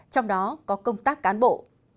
trong đó có công tác cán bộ